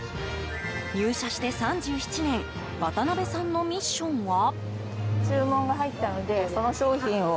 入社して３７年渡辺さんのミッションは。